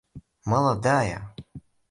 молодая